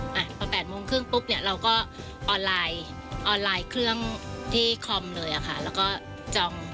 แต่ตั้งแต่๘โมงครึ่งปุ๊บเราก็ออนไลน์เครื่องที่คอมเลยค่ะและก็จอง